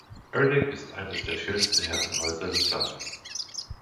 Erddig ist eines der schönsten Herrenhäuser des Landes.